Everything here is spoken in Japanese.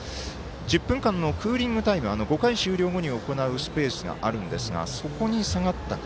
１０分間のクーリングタイム５回終了後に行うスペースがあるんですがそこに下がったか。